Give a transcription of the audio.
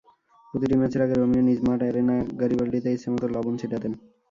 প্রতিটি ম্যাচের আগে রোমিও নিজ মাঠ অ্যারেনা গ্যারিবল্ডিতে ইচ্ছেমতো লবণ ছিটাতেন।